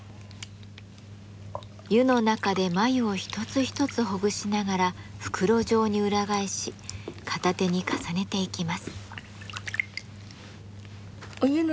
湯の中で繭を一つ一つほぐしながら袋状に裏返し片手に重ねていきます。